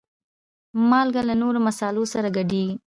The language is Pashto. مالګه له نورو مصالحو سره ګډېږي.